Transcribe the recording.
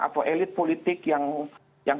atau elit politik yang